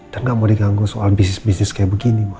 dan gak mau diganggu soal bisnis bisnis kayak begini ma